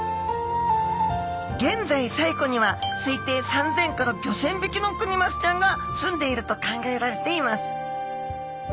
現在西湖には推定３，０００５，０００匹のクニマスちゃんがすんでいると考えられています。